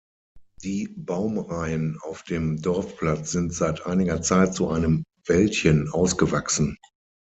Die Baumreihen auf dem Dorfplatz sind seit einer Zeit zu einem Wäldchen ausgewachsen.